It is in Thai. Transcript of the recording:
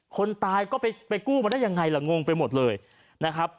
คนตายก็ไปกู้มาได้ยังไงล่ะงงไปหมดเลยนะครับ